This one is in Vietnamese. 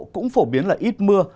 cũng phổ biến là ít mưa